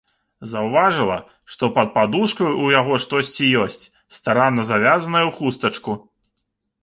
Заўважыла, што пад падушкай у яго штосьці ёсць, старанна завязанае ў хустачку.